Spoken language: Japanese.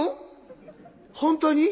「本当に？